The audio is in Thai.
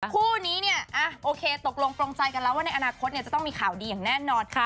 คู่นี้เนี่ยโอเคตกลงตรงใจกันแล้วว่าในอนาคตจะต้องมีข่าวดีอย่างแน่นอนค่ะ